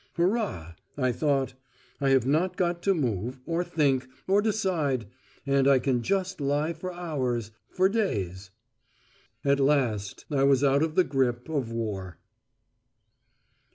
"Hurrah!" I thought, "I have not got to move, or think, or decide and I can just lie for hours, for days." At last I was out of the grip of war.